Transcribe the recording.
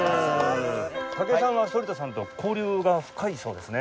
武井さんは反田さんと交流が深いそうですね。